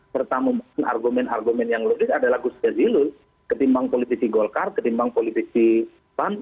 pertama argumen argumen yang lebih adalah gusta zilul ketimbang politisi golkar ketimbang politisi pan